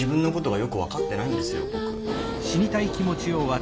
僕。